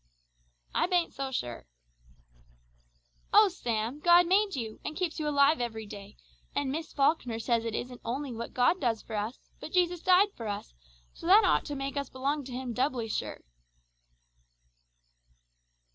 "I bain't so sure." "Oh, Sam! God made you, and keeps you alive every day, and Miss Falkner says it isn't only what God does for us, but Jesus died for us, so that ought to make us belong to Him doubly sure!"